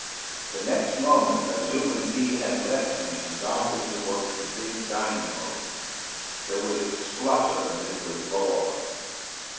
The next moment Azuma zi had left him and darted towards the big dynamo. There was a splutter amid the roar.